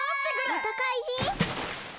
またかいじん？